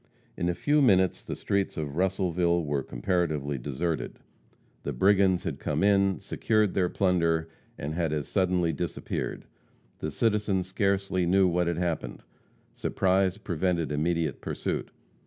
In a few minutes the streets of Russellville were comparatively deserted. The brigands had come in, secured their plunder, and had as suddenly disappeared; the citizens scarcely knew what had happened. Surprise prevented immediate pursuit.